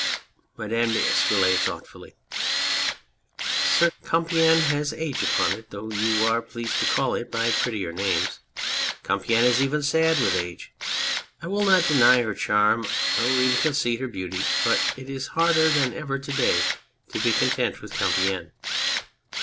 MADAME D'ESCUROLLES (thoughtfully). Sir, Compiegne has age upon it, though you are pleased to call it by prettier names. Compiegne is even sad with age. I will not deny her charm, I will even concede her beauty but it is harder than ever to day to be content with Compiegne.